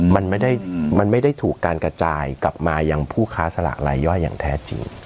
มันไม่ได้ถูกการกระจายกลับมายังผู้ค้าสลากลายย่อยอย่างแท้จริง